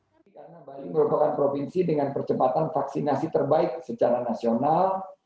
karena bali merupakan provinsi dengan percepatan vaksinasi terbaik secara nasional